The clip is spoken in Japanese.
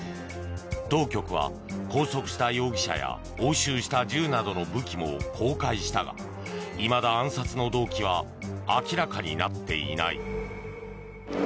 当局は、拘束した容疑者や押収した銃などの武器も公開したがいまだ、暗殺の動機は明らかになっていない。